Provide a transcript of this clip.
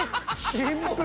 シンプル。